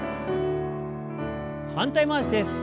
反対回しです。